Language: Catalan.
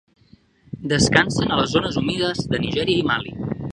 Descansen a les zones humides de Nigèria i Mali.